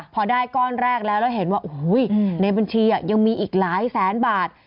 พอได้ก้อนแรกแล้วแล้วเห็นว่าโอ้โหในบัญชียังมีอีกหลายแสนบาท